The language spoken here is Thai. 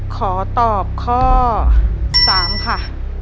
ขอตอบข้อ๓ค่ะ